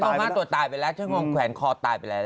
ฉันก็มาตัวตายไปแล้วฉันก็แขวนคอตายไปแล้ว